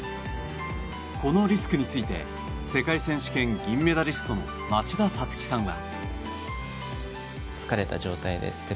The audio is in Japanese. このリスクについて世界選手権、銀メダリストの町田樹さんは。